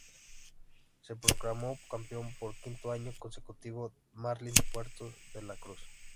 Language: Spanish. Se proclamó campeón por quinto año consecutivo Marlins Puerto de la Cruz.